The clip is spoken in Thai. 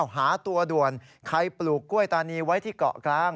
หาตัวด่วนใครปลูกกล้วยตานีไว้ที่เกาะกลาง